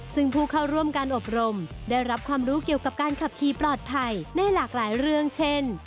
ซึ่งผู้เข้าร่วมการอบรมได้รับความรู้เกี่ยวกับการขับขี่ปลอดภัยในหลากหลายเรื่องเช่น